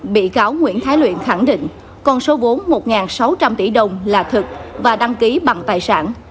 bị cáo nguyễn thái luyện khẳng định con số vốn một sáu trăm linh tỷ đồng là thực và đăng ký bằng tài sản